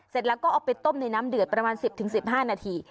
เสร็จหลังก็เอาไปต้มในน้ำเดือดประมาณสิบถึงสิบห้านาที